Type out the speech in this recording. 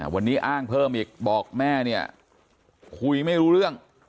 วันนี้อ้างเพิ่มอีกบอกแม่เนี่ยคุยไม่รู้เรื่อง